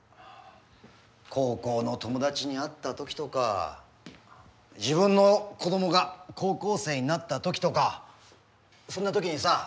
高校の友達に会った時とか自分の子供が高校生になった時とかそんな時にさ